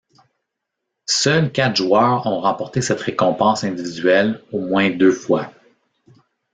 Seuls quatre joueurs ont remporté cette récompense individuelle, au moins deux fois.